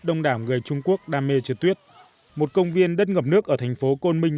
đông đảo người trung quốc đam mê trượt tuyết một công viên đất ngập nước ở thành phố côn minh